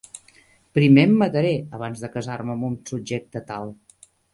Primer em mataré, abans de casar-me amb un subjecte tal.